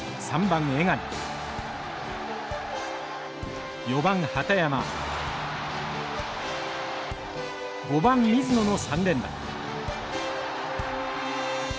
３番江上４番畠山５番水野の３連打。